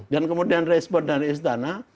dan kemudian respon dari istana